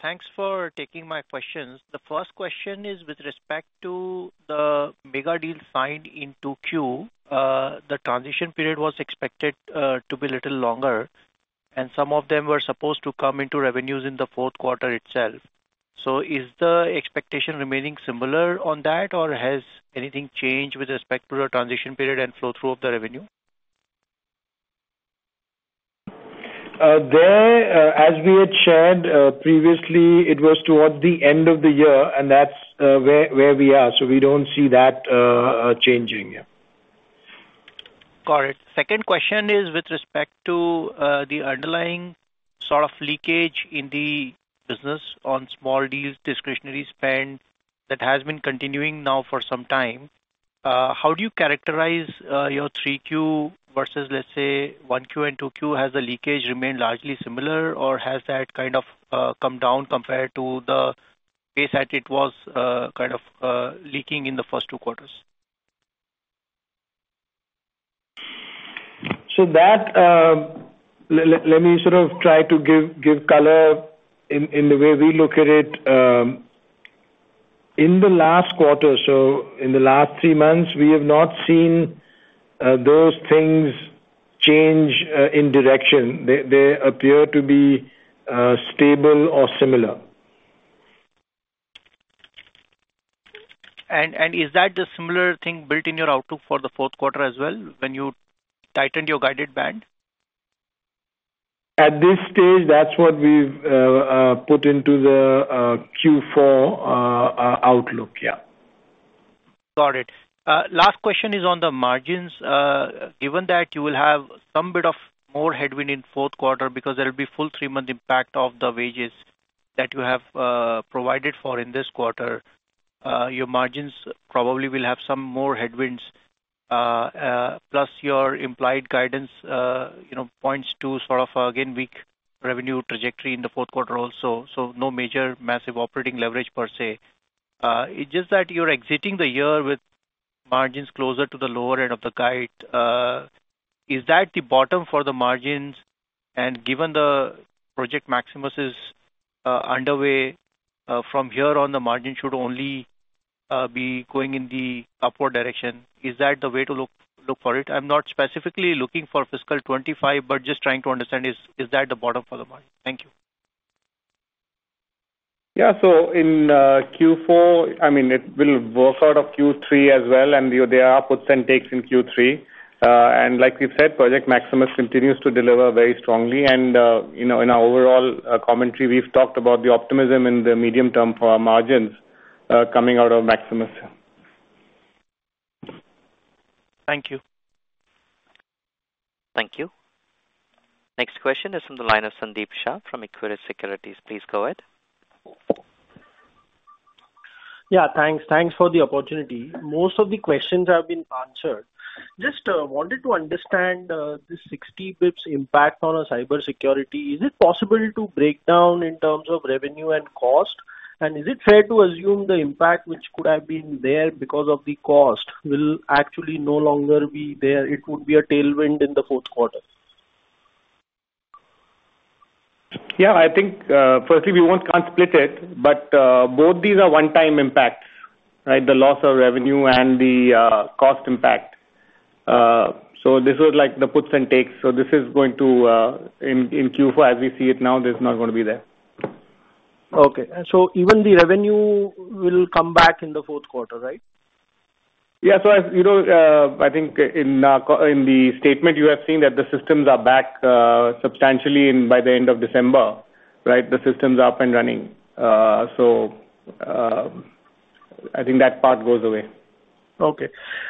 thanks for taking my questions. The first question is with respect to the mega deals signed in 2Q. The transition period was expected to be a little longer, and some of them were supposed to come into revenues in the fourth quarter itself. So is the expectation remaining similar on that, or has anything changed with respect to the transition period and flow-through of the revenue? There, as we had shared previously, it was towards the end of the year, and that's where we are. So we don't see that changing, yeah. Got it. Second question is with respect to the underlying sort of leakage in the business on small deals, discretionary spend, that has been continuing now for some time. How do you characterize your 3Q versus, let's say, 1Q and 2Q? Has the leakage remained largely similar, or has that kind of come down compared to the pace that it was kind of leaking in the first two quarters? So that, let me sort of try to give color in the way we look at it. In the last quarter, so in the last three months, we have not seen those things change in direction. They appear to be stable or similar. Is that the similar thing built in your outlook for the fourth quarter as well, when you tightened your guided band? At this stage, that's what we've put into the Q4 outlook, yeah. Got it. Last question is on the margins. Given that you will have some bit of more headwind in fourth quarter, because there will be full 3-month impact of the wages that you have provided for in this quarter, your margins probably will have some more headwinds. Plus your implied guidance, you know, points to sort of, again, weak revenue trajectory in the fourth quarter also. So no major massive operating leverage per se. It's just that you're exiting the year with margins closer to the lower end of the guide. Is that the bottom for the margins? And given the Project Maximus is underway, from here on, the margin should only be going in the upward direction. Is that the way to look, look for it? I'm not specifically looking for fiscal 25, but just trying to understand, is that the bottom for the margin? Thank you. Yeah. So in Q4, I mean, it will work out of Q3 as well, and there are puts and takes in Q3. And like we've said, Project Maximus continues to deliver very strongly, and, you know, in our overall, commentary, we've talked about the optimism in the medium term for our margins, coming out of Maximus. Thank you. Thank you. Next question is from the line of Sandeep Shah from Equirus Securities. Please go ahead. Yeah, thanks. Thanks for the opportunity. Most of the questions have been answered. Just wanted to understand this 60 BPS impact on our cybersecurity. Is it possible to break down in terms of revenue and cost? And is it fair to assume the impact which could have been there because of the cost, will actually no longer be there, it would be a tailwind in the fourth quarter? Yeah, I think, firstly, we won't, can't split it, but both these are one-time impacts, right? The loss of revenue and the cost impact. So this was like the puts and takes. So this is going to in Q4, as we see it now, this is not gonna be there. Okay. And so even the revenue will come back in the fourth quarter, right? Yeah. So as you know, I think in the statement, you have seen that the systems are back substantially by the end of December, right? The system's up and running. So, I think that part goes away. Okay.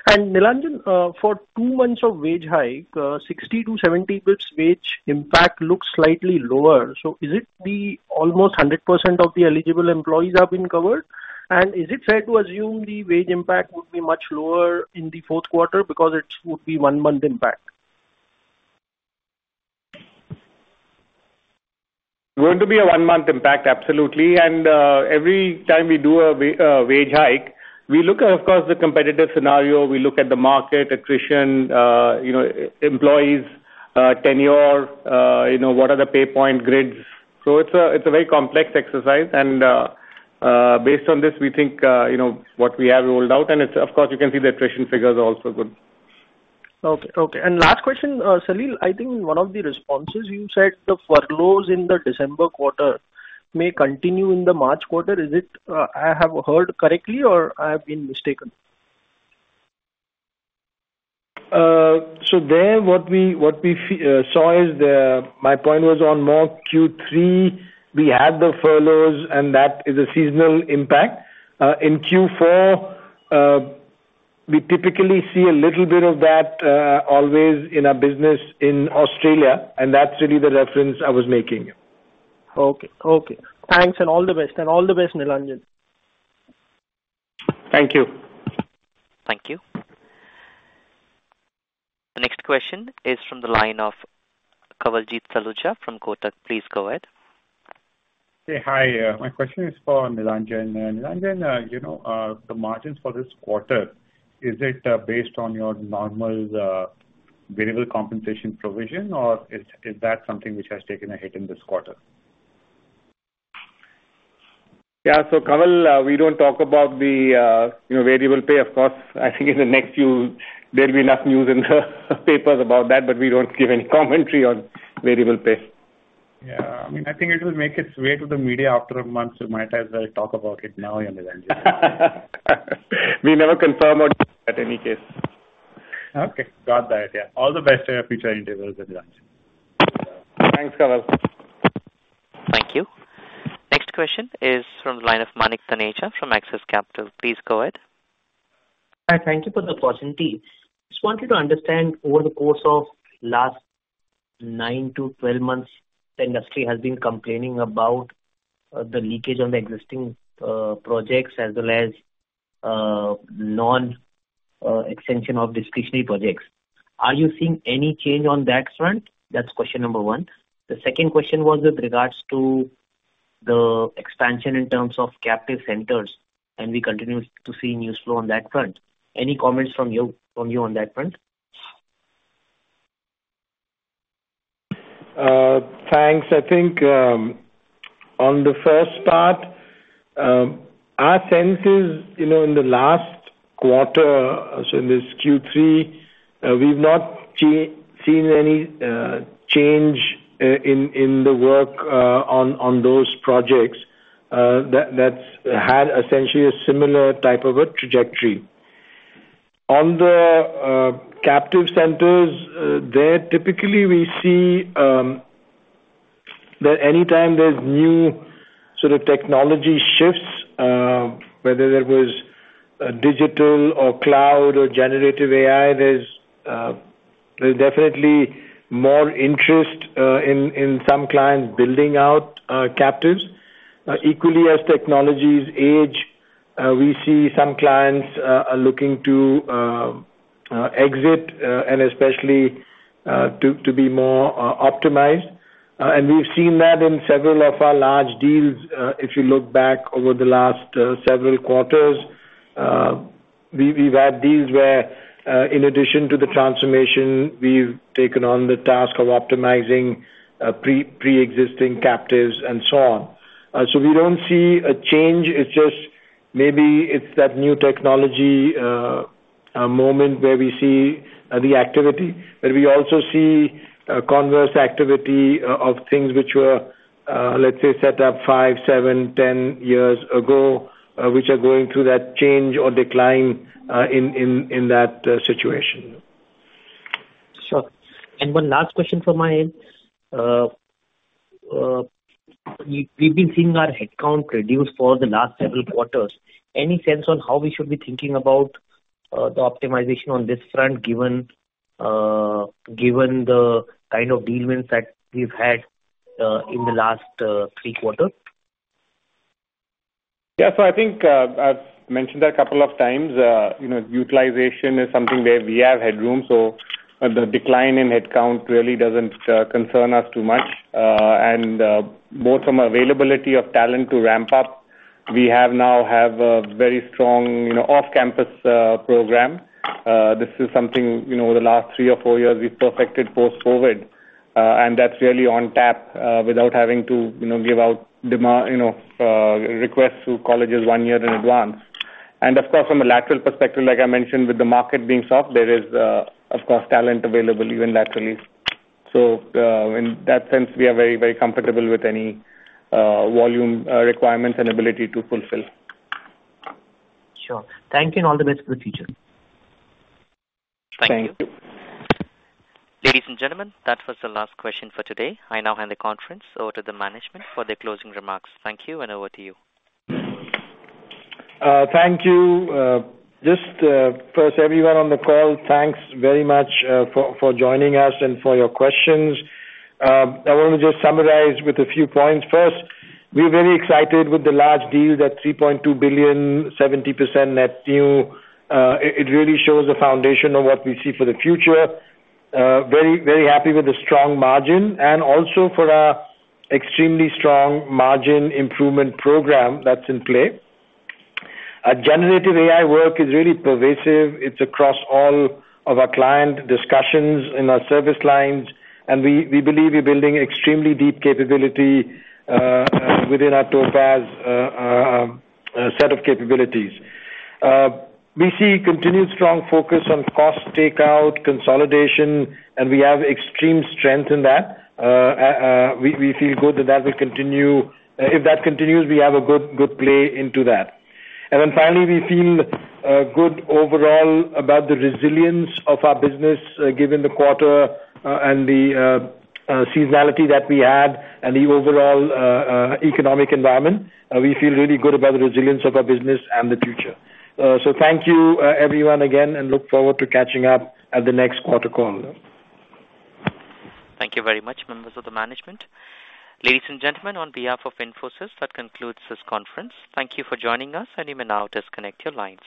And Nilanjan, for two months of wage hike, 60-70 BPS wage impact looks slightly lower. So is it almost 100% of the eligible employees have been covered? And is it fair to assume the wage impact would be much lower in the fourth quarter because it would be one-month impact? Going to be a one-month impact, absolutely. And every time we do a wage hike, we look at, of course, the competitive scenario, we look at the market, attrition, you know, employees, tenure, you know, what are the pay point grids. So it's a very complex exercise, and based on this, we think, you know, what we have rolled out, and it's of course, you can see the attrition figures are also good. Okay. Okay, and last question, Salil, I think in one of the responses you said the furloughs in the December quarter may continue in the March quarter. Is it, I have heard correctly, or I have been mistaken? So, what we saw is the... My point was, in Q3, we had the furloughs, and that is a seasonal impact. In Q4, we typically see a little bit of that always in our business in Australia, and that's really the reference I was making. Okay. Okay. Thanks and all the best. All the best, Nilanjan. Thank you. Thank you. The next question is from the line of Kawaljeet Saluja from Kotak. Please go ahead. Hey, hi, my question is for Nilanjan. Nilanjan, you know, the margins for this quarter, is it based on your normal variable compensation provision, or is that something which has taken a hit in this quarter? Yeah. So, Kawal, we don't talk about the, you know, variable pay. Of course, I think in the next few, there'll be enough news in the papers about that, but we don't give any commentary on variable pay. Yeah. I mean, I think it will make its way to the media after a month, so might as well talk about it now, Nilanjan. We never confirm at any case. Okay, got that. Yeah. All the best in your future endeavors, Nilanjan. Thanks, Kawal. Thank you. Next question is from the line of Manik Taneja from Axis Capital. Please go ahead. Hi, thank you for the opportunity. Just wanted to understand, over the course of last 9-12 months, the industry has been complaining about, the leakage on the existing, projects as well as, non, extension of discretionary projects. Are you seeing any change on that front? That's question number one. The second question was with regards to the expansion in terms of captive centers, and we continue to see news flow on that front. Any comments from you, from you on that front? Thanks. I think, on the first part, our sense is, you know, in the last quarter, so in this Q3, we've not seen any change in the work on those projects. That's had essentially a similar type of a trajectory. On the captive centers, there typically we see that anytime there's new sort of technology shifts, whether there was a digital or cloud or generative AI, there's... There's definitely more interest in some clients building out captives. Equally, as technologies age, we see some clients are looking to exit and especially to be more optimized. And we've seen that in several of our large deals. If you look back over the last several quarters, we've had deals where, in addition to the transformation, we've taken on the task of optimizing pre-existing captives and so on. So we don't see a change. It's just maybe it's that new technology moment where we see the activity. But we also see a converse activity of things which were, let's say, set up five, seven, 10 years ago, which are going through that change or decline in that situation. Sure. One last question from my end. We've been seeing our headcount reduced for the last several quarters. Any sense on how we should be thinking about the optimization on this front, given the kind of deal wins that we've had in the last three quarters? Yeah. So I think, I've mentioned that a couple of times. You know, utilization is something where we have headroom, so the decline in headcount really doesn't concern us too much. And both from availability of talent to ramp up, we now have a very strong, you know, off-campus program. This is something, you know, over the last three or four years, we've perfected post-COVID, and that's really on tap without having to, you know, give out demand, you know, requests to colleges one year in advance. And of course, from a lateral perspective, like I mentioned, with the market being soft, there is, of course, talent available, even laterally. So, in that sense, we are very, very comfortable with any volume requirements and ability to fulfill. Sure. Thank you, and all the best for the future. Thank you. Ladies and gentlemen, that was the last question for today. I now hand the conference over to the management for their closing remarks. Thank you, and over to you. Thank you. Just first, everyone on the call, thanks very much for joining us and for your questions. I want to just summarize with a few points. First, we're very excited with the large deals at $3.2 billion, 70% net new. It really shows the foundation of what we see for the future. Very, very happy with the strong margin and also for our extremely strong margin improvement program that's in play. Our generative AI work is really pervasive. It's across all of our client discussions in our service lines, and we believe we're building extremely deep capability within our Topaz set of capabilities. We see continued strong focus on cost takeout, consolidation, and we have extreme strength in that. We feel good that that will continue... If that continues, we have a good, good play into that. And then finally, we feel good overall about the resilience of our business, given the quarter, and the seasonality that we had and the overall economic environment. We feel really good about the resilience of our business and the future. So thank you, everyone, again, and look forward to catching up at the next quarter call. Thank you very much, members of the management. Ladies and gentlemen, on behalf of Infosys, that concludes this conference. Thank you for joining us, and you may now disconnect your lines.